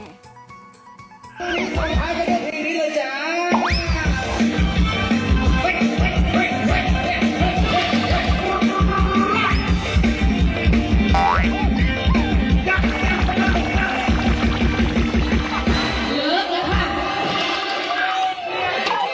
สวัสดีครับที่รีวิวจ๊ะ